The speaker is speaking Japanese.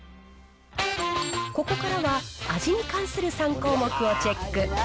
ここからは、味に関する３項目をチェック。